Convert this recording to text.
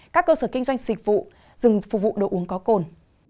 các cơ sở kinh doanh xuyệt vụ dừng phục vụ đồ uống có cồn